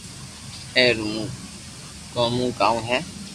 اي رو مون گونو ڪاو ھي